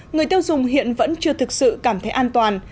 người tiêu dùng hiện vẫn chưa thực sự cảm thấy an toàn